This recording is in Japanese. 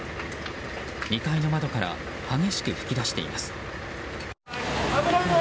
２階の窓から激しく噴き出しています。